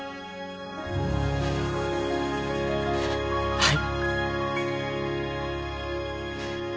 はい。